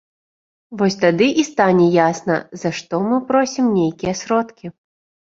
Вось тады і стане ясна, за што мы просім нейкія сродкі.